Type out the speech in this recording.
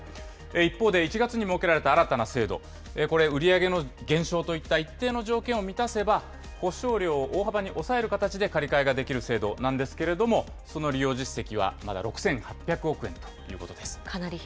一方で１月に設けられた新たな制度、これ、売り上げの減少といった一定の条件を満たせば、保証料を大幅に抑える形で借り換えができる制度なんですけれども、その利用実績はまだ６８００億円ということです。